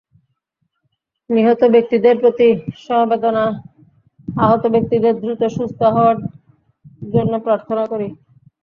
নিহত ব্যক্তিদের প্রতি সমবেদনা, আহত ব্যক্তিদের দ্রুত সুস্থ হওয়ার জন্য প্রার্থনা করি।